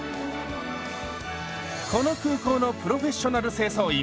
この空港のプロフェッショナル清掃員